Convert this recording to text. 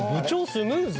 スムーズ。